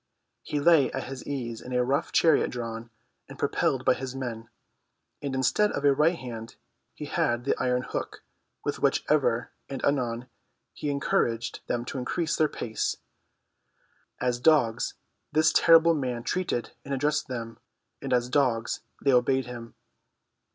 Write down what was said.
He lay at his ease in a rough chariot drawn and propelled by his men, and instead of a right hand he had the iron hook with which ever and anon he encouraged them to increase their pace. As dogs this terrible man treated and addressed them, and as dogs they obeyed him.